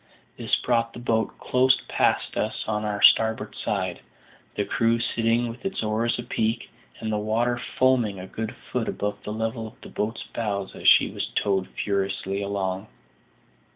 This brought the boat close past us on our starboard side, the crew sitting with their oars apeak, and the water foaming a good foot above the level of the boat's bows as she was towed furiously along.